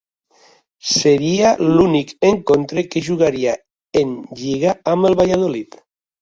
Seria l'únic encontre que jugaria en lliga amb el Valladolid.